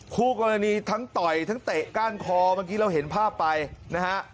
คู่กรณีทั้งต่อยทั้งเตะก้านคอเมื่อกี้เราเห็นภาพไปนะฮะ